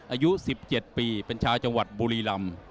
อายุ๑๗ปีเป็นชาวจังหวัดบุรีรำ